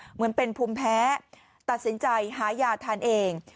เหมือนเป็นภูมิแพ้ตัดสินใจหายาทานเอง